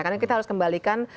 karena kita harus kembalikan